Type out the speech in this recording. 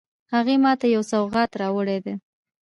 هغې ما ته یو سوغات راوړی ده